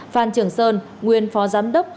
phan trường sơn nguyên phó giám đốc